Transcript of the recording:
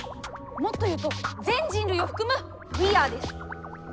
もっと言うと全人類を含む「ウィーアー」です。